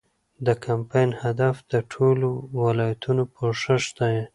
د کمپاین هدف د ټولو ولایتونو پوښښ دی.